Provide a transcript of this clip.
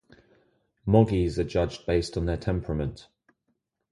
Moggy's are judged based on their temperament.